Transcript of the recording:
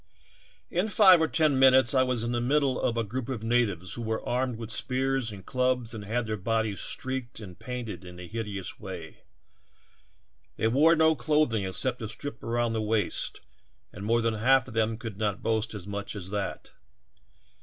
"In five or ten minutes I was in the middle of a group of natives who were armed with spears and clubs and had their bodies streaked and painted in a hideous way. They wore no clothing except a strip around the waist and more than half of them could not boast as much as that.